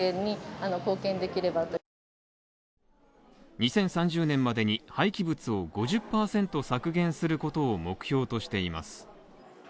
２０３０年までに廃棄物を５０％削減することを目標としています。